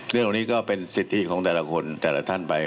เรื่องเหล่านี้ก็เป็นสิทธิของแต่ละคนแต่ละท่านไป